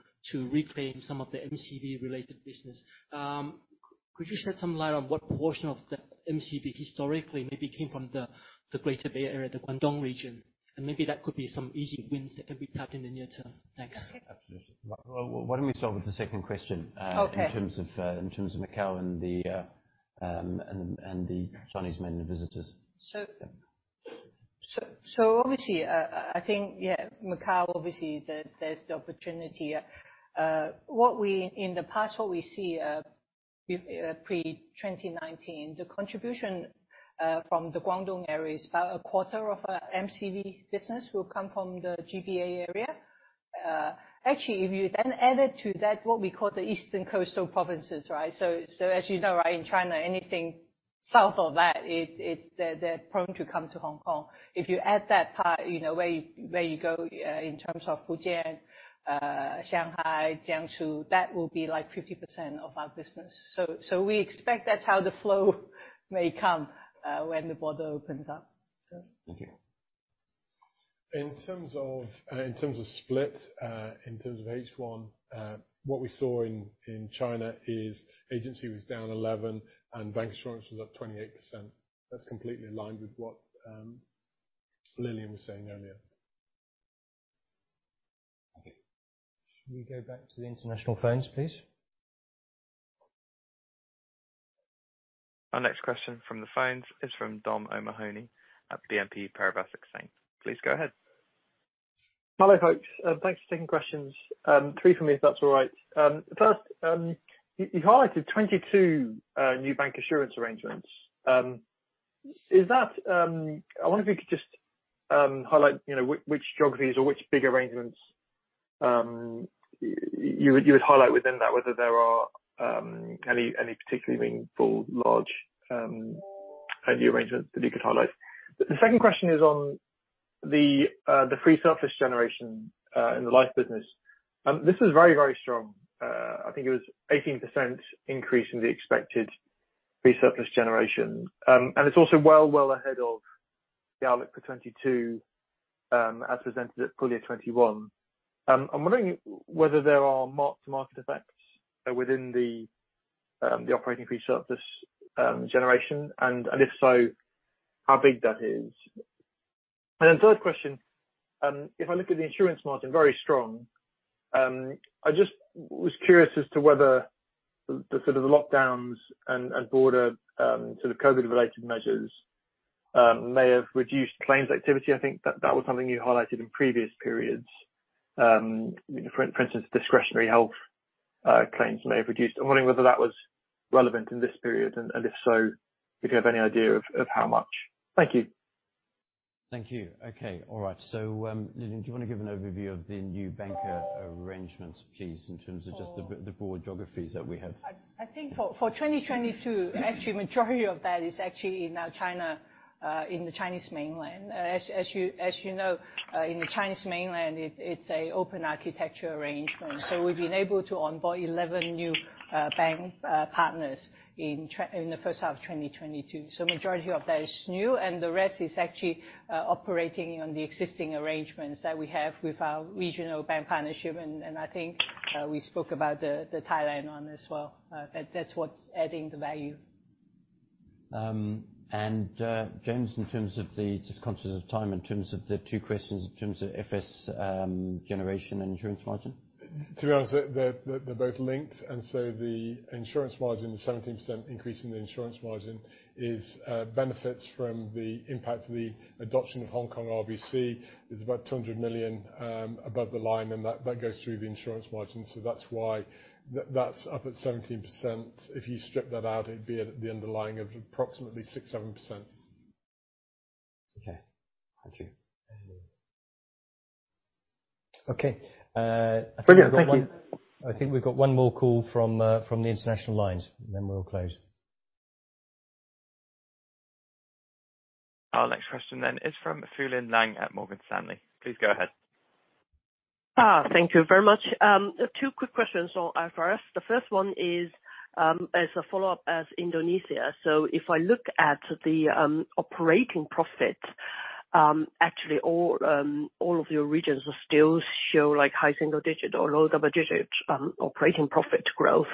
reclaim some of the MCV related business. Could you shed some light on what portion of the MCV historically maybe came from the Greater Bay Area, the Guangdong region? Maybe that could be some easy wins that could be tapped in the near term. Thanks. Absolutely. Why don't we start with the second question? Okay. In terms of Macau and the Chinese Mainland visitors. Obviously, I think, yeah, Macau obviously there's the opportunity. In the past, what we see, pre-2019, the contribution from the Guangdong area is about a quarter of our MCV business will come from the GBA area. Actually, if you then add it to that, what we call the eastern coastal provinces, right? As you know, right, in China, anything south of that, they're prone to come to Hong Kong. If you add that part, you know, where you go, in terms of Fujian, Shanghai, Jiangsu, that will be like 50% of our business. We expect that's how the flow may come when the border opens up. Thank you. In terms of split in H1, what we saw in China is agency was down 11% and bank insurance was up 28%. That's completely in line with what Lilian was saying earlier. Thank you. Should we go back to the international phones, please? Our next question from the phones is from Dom O'Mahony at BNP Paribas Exane. Please go ahead. Hello, folks. Thanks for taking questions. Three from me if that's all right. First, you highlighted 22 new bank insurance arrangements. I wonder if you could just highlight, you know, which geographies or which big arrangements you would highlight within that, whether there are any particularly meaningful large any arrangements that you could highlight. The second question is on the free surplus generation in the life business. This is very strong. I think it was 18% increase in the expected free surplus generation. It's also well ahead of the outlook for 2022, as presented at full year 2021. I'm wondering whether there are mark-to-market effects within the operating free surplus generation, and if so, how big that is. Then third question, if I look at the insurance margin, very strong. I just was curious as to whether the sort of lockdowns and border sort of COVID-related measures may have reduced claims activity. I think that was something you highlighted in previous periods. For instance, discretionary health claims may have reduced. I'm wondering whether that was relevant in this period, and if so, if you have any idea of how much. Thank you. Thank you. Okay. All right. Lilian, do you wanna give an overview of the new banking arrangements, please, in terms of just the broad geographies that we have? I think for 2022, actually majority of that is actually in China, in the Chinese Mainland. As you know, in the Chinese Mainland, it's an open architecture arrangement. So we've been able to onboard 11 new bank partners in the first half of 2022. So majority of that is new and the rest is actually operating on the existing arrangements that we have with our regional bank partnership. I think we spoke about the Thailand one as well. That's what's adding the value. James, just conscious of time, in terms of the two questions, in terms of FS generation and insurance margin. To be honest, they're both linked. The insurance margin, the 17% increase in the insurance margin benefits from the impact of the adoption of Hong Kong RBC. It's about $200 million above the line, and that goes through the insurance margin. That's why that's up at 17%. If you strip that out, it'd be at the underlying of approximately 6%-7%. Okay. Thank you. Okay. I think we've got Brilliant. Thank you. I think we've got one more call from the international lines, and then we'll close. Our next question then is from Fulin Liang at Morgan Stanley. Please go ahead. Thank you very much. Two quick questions on IFRS. The first one is, as a follow-up on Indonesia. If I look at the operating profit, actually all of your regions will still show like high single-digit or low double-digit operating profit growth,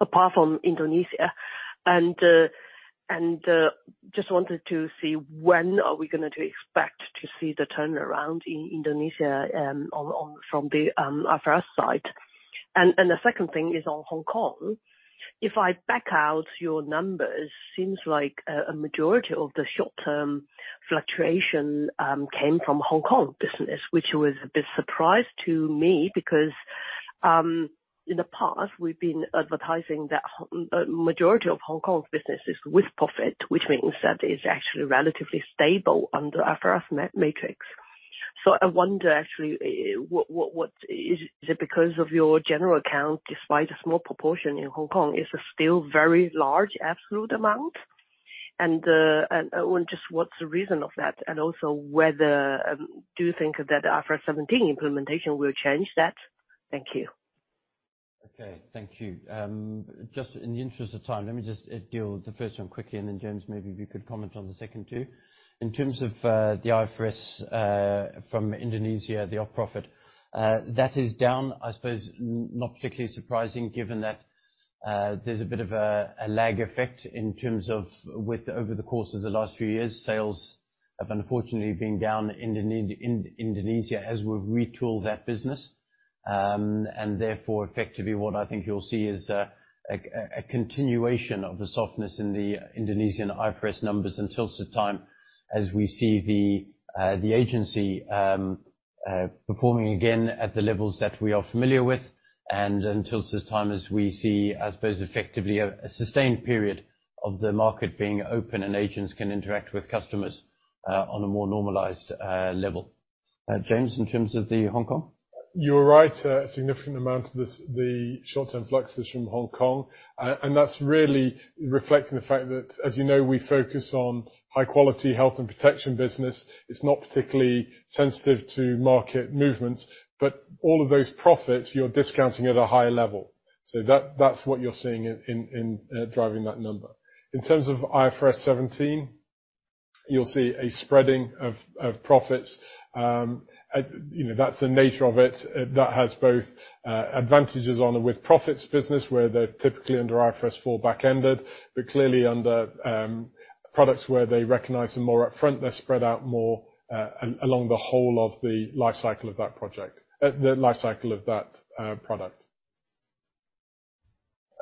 apart from Indonesia. Just wanted to see when are we going to expect to see the turnaround in Indonesia, on the IFRS side. The second thing is on Hong Kong. If I back out your numbers, seems like a majority of the short-term fluctuation came from Hong Kong business, which was a bit of a surprise to me because, in the past, we've been advertising that the majority of Hong Kong's business is with-profit, which means that it's actually relatively stable under IFRS matrix. I wonder actually, is it because of your general account despite a small proportion in Hong Kong? Is it still very large absolute amount? Just what's the reason of that, and also whether do you think that IFRS 17 implementation will change that? Thank you. Okay, thank you. Just in the interest of time, let me just deal with the first one quickly, and then James, maybe you could comment on the second too. In terms of the IFRS from Indonesia, the op profit that is down, I suppose, not particularly surprising given that there's a bit of a lag effect in terms of over the course of the last few years. Sales have unfortunately been down in Indonesia as we've retooled that business. Therefore, effectively what I think you'll see is a continuation of the softness in the Indonesian IFRS numbers until such time as we see the agency performing again at the levels that we are familiar with. Until such time as we see, I suppose, effectively a sustained period of the market being open and agents can interact with customers on a more normalized level. James, in terms of the Hong Kong. You're right. A significant amount of this, the short-term flux is from Hong Kong. That's really reflecting the fact that, as you know, we focus on high quality health and protection business. It's not particularly sensitive to market movements. All of those profits, you're discounting at a higher level. That's what you're seeing in driving that number. In terms of IFRS 17, you'll see a spreading of profits. You know, that's the nature of it. That has both advantages on a with profits business, where they're typically under IFRS 4 back-ended. Clearly under products where they recognize them more up front, they're spread out more along the whole of the life cycle of that product.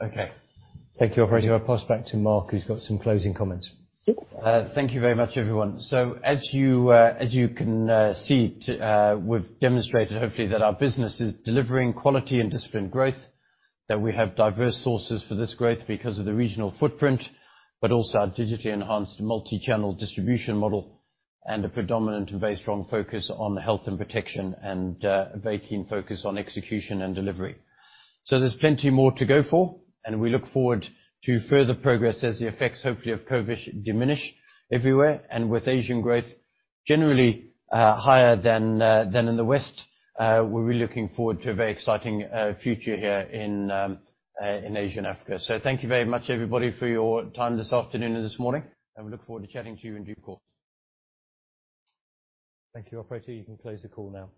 Okay. Thank you, operator. I'll pass back to Mark, who's got some closing comments. Sure. Thank you very much, everyone. As you can see, we've demonstrated hopefully that our business is delivering quality and disciplined growth, that we have diverse sources for this growth because of the regional footprint, but also our digitally enhanced multi-channel distribution model and a predominant and very strong focus on health and protection and, a very keen focus on execution and delivery. There's plenty more to go for, and we look forward to further progress as the effects, hopefully, of COVID diminish everywhere. With Asian growth generally, higher than in the West, we'll be looking forward to a very exciting future here in Asia and Africa. Thank you very much, everybody, for your time this afternoon and this morning. We look forward to chatting to you in due course. Thank you, operator. You can close the call now.